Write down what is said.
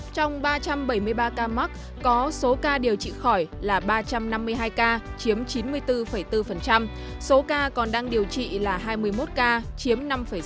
trong ba trăm bảy mươi ba ca mắc có số ca điều trị khỏi là ba trăm năm mươi hai ca chiếm chín mươi bốn bốn số ca còn đang điều trị là hai mươi một ca chiếm năm sáu